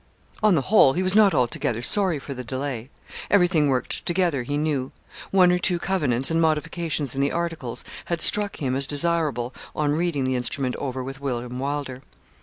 On the whole he was not altogether sorry for the delay. Everything worked together he knew. One or two covenants and modifications in the articles had struck him as desirable, on reading the instrument over with William Wylder.